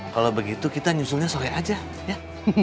kalau begitu kita nyusulnya sore aja ya